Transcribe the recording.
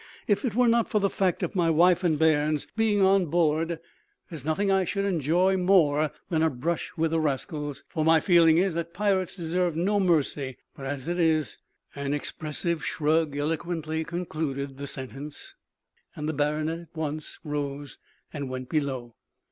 If it were not for the fact of my wife and bairns being on board there is nothing I should enjoy more than a brush with the rascals for my feeling is that pirates deserve no mercy but, as it is " An expressive shrug eloquently concluded the sentence; and the baronet at once rose and went below.